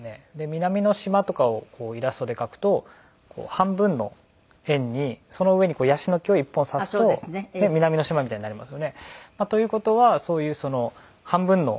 南の島とかをイラストで描くと半分の円にその上にヤシの木を１本挿すと南の島みたいになりますよね。という事はそういう半分の円のものを探せばいい。